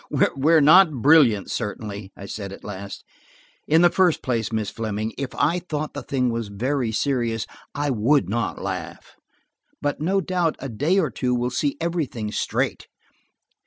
"We are not brilliant, certainly," I said at last. "In the first place, Miss Fleming, if I thought the thing was very serious I would not laugh–but no doubt a day or two will see everything straight.